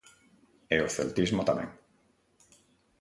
E o celtismo tamén.